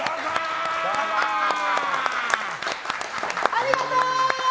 ありがとう！